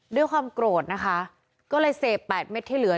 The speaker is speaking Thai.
ด้วยความโกรธนะคะก็เลยเสพ๘เม็ดที่เหลือ